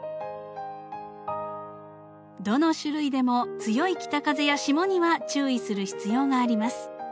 どの種類でも強い北風や霜には注意する必要があります。